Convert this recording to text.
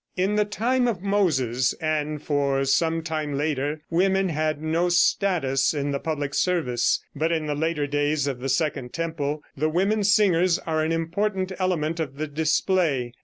In the time of Moses, and for some time later, women had no status in the public service; but in the later days of the second temple the women singers are an important element of the display.